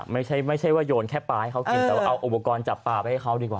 ไม่ใช่ไม่ใช่ว่าโยนแค่ปลาให้เขากินแต่ว่าเอาอุปกรณ์จับปลาไปให้เขาดีกว่า